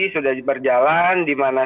sudah berjalan dimana